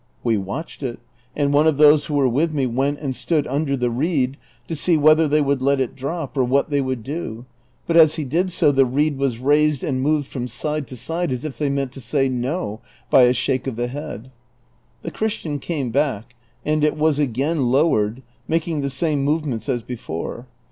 We watched it, and one of those wdio were with me went and stood under the reed to see whether they would let it dro]), or what they would do, but as he did so the reed was raised and moved from side to side, as if they meant to say "no" by a shake of the head. The Christian came back, and it was again lowered, makino the same movements as before.